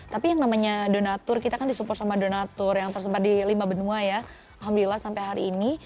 tapi yang namanya donatur kita kan disupport sama donatur yang tersebar di lima benua ya alhamdulillah sampai hari ini